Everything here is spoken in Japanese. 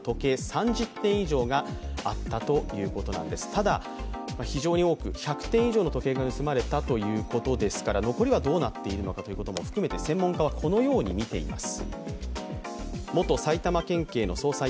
ただ、非常に多く、１００点以上の時計が盗まれたということですから残りはどうなっているのかということも含めて専門家はこのようにみています。